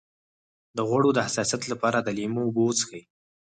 د خوړو د حساسیت لپاره د لیمو اوبه وڅښئ